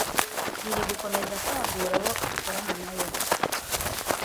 iri gukomeza kwagura abo ikorana nayo